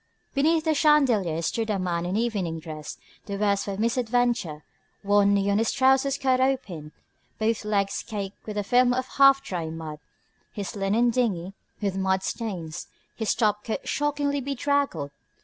Beneath the chandelier stood a man in evening dress the worse for misadventure, one knee of his trousers cut open, both legs caked with a film of half dry mud, his linen dingy with mud stains, his top coat shockingly bedraggled.